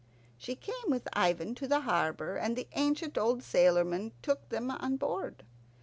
She came with Ivan to the harbour, and the ancient old sailormen took them on board.